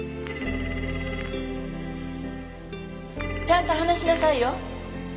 ちゃんと話しなさいよ。